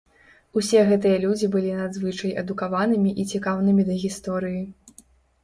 Усе гэтыя людзі былі надзвычай адукаванымі і цікаўнымі да гісторыі.